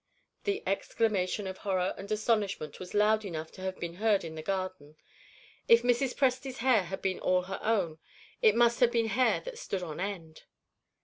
That exclamation of horror and astonishment was loud enough to have been heard in the garden. If Mrs. Presty's hair had been all her own, it must have been hair that stood on end.